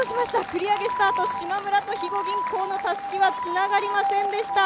繰り上げスタート、しまむらと肥後銀行のたすきはつながりませんでした。